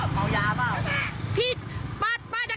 นี่นะคะดูถูกคนมากเลย